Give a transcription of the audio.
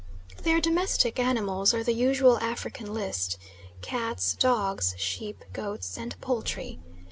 Their domestic animals are the usual African list; cats, dogs, sheep, goats, and poultry.